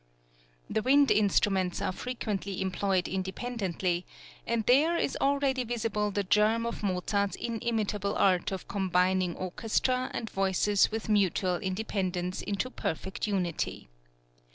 The wind instruments are frequently employed independently; and there is already visible the germ of Mozart's inimitable art of combining orchestra and voices with mutual independence into perfect unity.